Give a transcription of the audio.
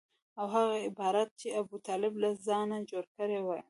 او هغه عبارات چې ابوطالب له ځانه جوړ کړي وباسي.